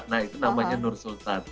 nah itu namanya nur sultan